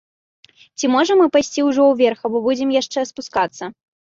Ці можам мы пайсці ўжо ўверх, або будзем яшчэ спускацца?